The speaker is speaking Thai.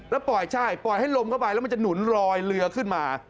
แล้วปล่อยใช่ปล่อยให้ลมเข้าไปแล้วมันจะหนุนรอยเรือขึ้นมา